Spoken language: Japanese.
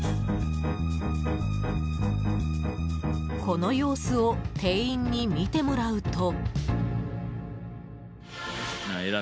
この様子を店員に見てもらうと。